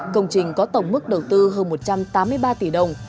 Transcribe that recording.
công trình có tổng mức đầu tư hơn một trăm tám mươi ba tỷ đồng